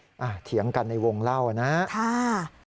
เดี๋ยวเถียงกันในวงเล่านะครับค่ะ